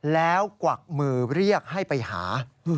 แล้วกวักมือเรียกให้ไปหา